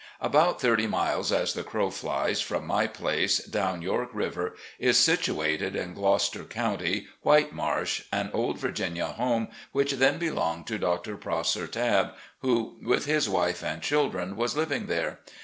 About thirty miles, as the crow flies, from my place, down York River, is situated, in Gloucester County, " White Marsh,"an old Virginia home which then belonged to Dr. Prosser Tabb, who with his wife and children was living there.